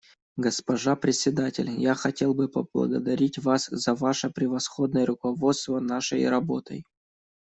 Госпожа Председатель, я хотел бы поблагодарить вас за ваше превосходное руководство нашей работой.